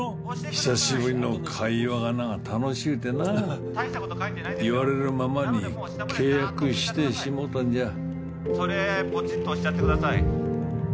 久しぶりの会話がな楽しゅうてな言われるままに契約してしもうたんじゃそれポチッと押しちゃってください